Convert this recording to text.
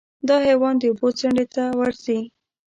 دا حیوان د اوبو څنډې ته ورځي.